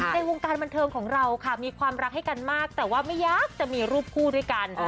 ในวงการบันเทิงของเราค่ะมีความรักให้กันมากแต่ว่าไม่อยากจะมีรูปคู่ด้วยกัน